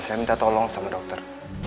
saya minta tolong sama dokter